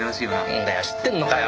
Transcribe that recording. なんだよ知ってんのかよ。